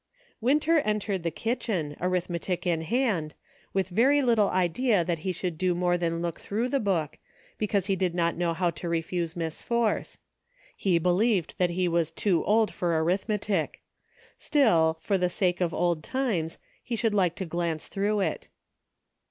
Winter entered the kitchen, arithmetic in hand, with very little idea that he should do more than look through the book, because he did not know how to refuse Miss Force. He believed that he was too old for arithmetic ; still, for the sake of old times, he should like to glance through it.